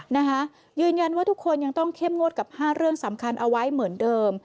นะคะยืนยันว่าทุกคนยังต้องเข้มงวดกับ๕เรื่องสำคัญเอาไว้เหมือนเดิม